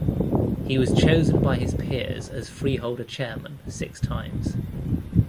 He was chosen by his peers as Freeholder Chairman six times.